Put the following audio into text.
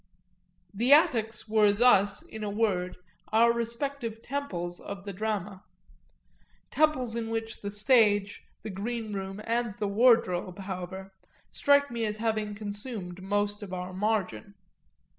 The attics were thus in a word our respective temples of the drama temples in which the stage, the green room and the wardrobe, however, strike me as having consumed most of our margin.